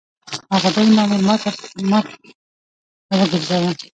هغه بل مامور ما ته مخ را وګرځاوه.